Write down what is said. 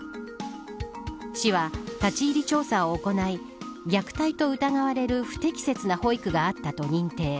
市は、立ち入り調査を行い虐待と疑われる不適切な保育があったと認定。